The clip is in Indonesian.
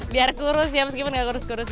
biar kurus ya meskipun gak kurus kurus